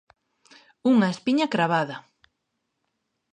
Unha espiña cravada.